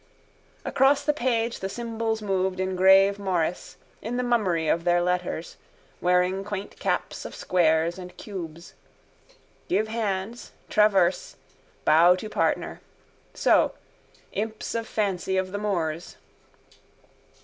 Across the page the symbols moved in grave morrice, in the mummery of their letters, wearing quaint caps of squares and cubes. Give hands, traverse, bow to partner: so: imps of fancy of the Moors.